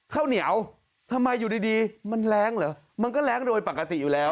ข้าวเหนียวทำไมอยู่ดีมันแรงเหรอมันก็แรงโดยปกติอยู่แล้ว